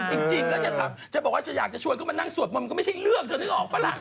จริงแล้วจะบอกว่าจะอยากจะชวนเขามานั่งสวดมนต์มันก็ไม่ใช่เรื่องเธอนึกออกปะล่ะ